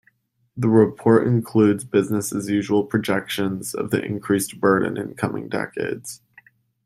The report includes business-as-usual projections of the increased burden in coming decades.